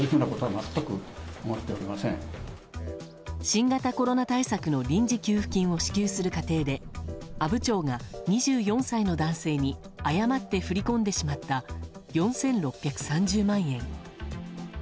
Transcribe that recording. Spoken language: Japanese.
新型コロナ対策の臨時給付金を支給する過程で阿武町が２４歳の男性に誤って振り込んでしまった４６３０万円。